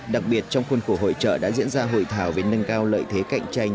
đặc biệt trong khuôn khổ hội trợ đã diễn ra hội thảo về nâng cao lợi thế cạnh tranh